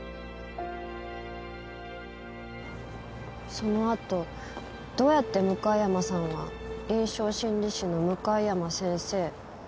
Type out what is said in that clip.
そのあとどうやって向山さんは「臨床心理士の向山先生」になったんですかね。